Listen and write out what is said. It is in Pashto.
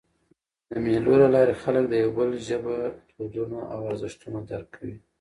د مېلو له لاري خلک د یو بل ژبه، دودونه او ارزښتونه درک کوي.